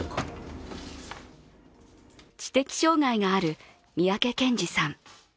知的障害がある三宅賢司さん。